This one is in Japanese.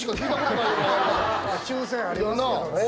抽選ありますけどね。